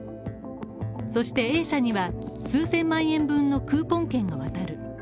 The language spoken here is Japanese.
そしてＡ社には数千万円分のクーポン券が渡される。